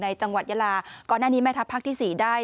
จังหวัดยาลาก่อนหน้านี้แม่ทัพภาคที่๔ได้